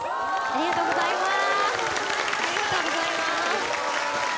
ありがとうございます。